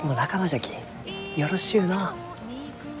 よろしゅうのう。